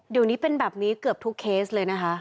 เดี๋ยวนี้เป็นแบบนี้เกือบทุกเคสเลยนะคะ